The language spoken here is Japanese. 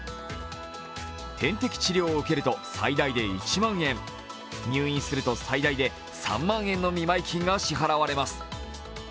点滴治療を受けると最大で１万円、入院すると最大で３万円の見舞金が支払われます。